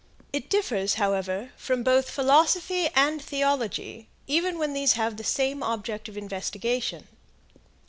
It differs, however, from both philosophy and theology even when these have the same object of investigation.